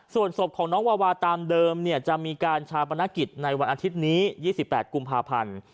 ส่วนศพของน้องวาวาตามเดิมจะมีการชาปนกิจในวันอาทิตย์นี้๒๘กุมภาพันธ์